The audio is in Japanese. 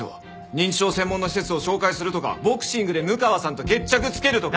認知症専門の施設を紹介するとかボクシングで六川さんと決着つけるとか。